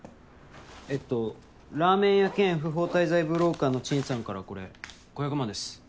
えっとラーメン屋兼不法滞在ブローカーの陳さんからこれ５００万です。